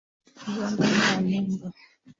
Njoo ndani ya nyumba.